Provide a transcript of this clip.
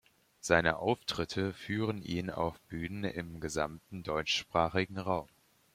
Seine Auftritte führen ihn auf Bühnen im gesamten deutschsprachigen Raum.